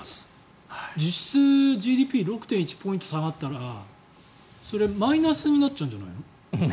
実質ＧＤＰが６．１ポイント下がっちゃったらそれはマイナスになっちゃうんじゃないの？